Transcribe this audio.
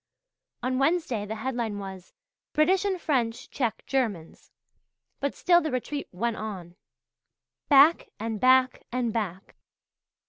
On Wednesday the headline was "British and French Check Germans"; but still the retreat went on. Back and back and back!